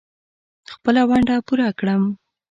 خپله ونډه پوره کړم.